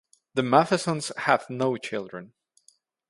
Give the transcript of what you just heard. The Mathesons had no children.